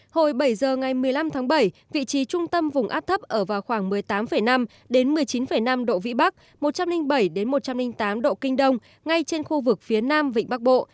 hồi bảy giờ ngày một mươi năm tháng bảy vị trí trung tâm vùng áp thấp ở vào khoảng một mươi tám năm một mươi chín năm độ vĩ bắc một trăm linh bảy một trăm linh tám độ kinh đông ngay trên khu vực phía nam vịnh bắc bộ